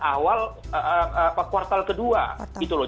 ini masuk pada awal kuartal ke dua gitu loh